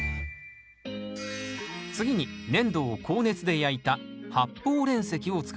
次に粘土を高熱で焼いた発泡煉石を使います。